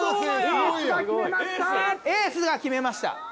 エースが決めました。